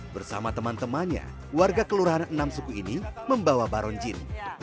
bersama teman temannya warga kelurahan enam suku ini membawa baron jin